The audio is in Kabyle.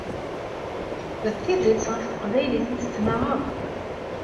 D tidet ɣef teqbaylit i tettnaɣeḍ?